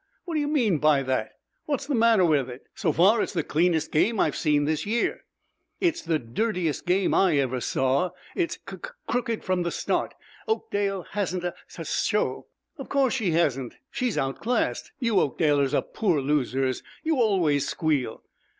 "What do you mean by that? What's the matter with it? So far, it's the cleanest game I've seen this year. "It's the dirtiest game I ever saw! It's cuc crooked from the start. Oakdale hasn't a sus show." "Of course she hasn't; she's outclassed. You Oakdalers are poor losers; you always squeal."